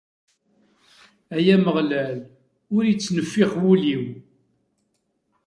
Ay Ameɣlal, ur ittneffix wul-iw.